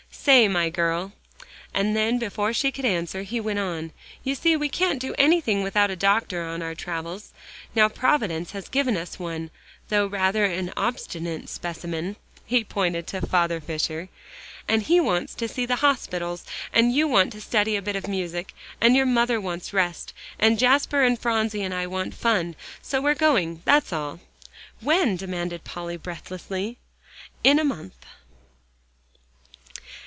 "Say, my girl?" And then before she could answer, he went on, "You see, we can't do anything without a doctor on our travels. Now Providence has given us one, though rather an obstinate specimen," he pointed to Father Fisher. "And he wants to see the hospitals, and you want to study a bit of music, and your mother wants rest, and Jasper and Phronsie and I want fun, so we're going, that's all." "When?" demanded Polly breathlessly. "In a month."